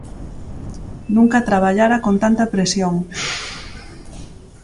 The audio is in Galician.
Nunca traballara con tanta presión.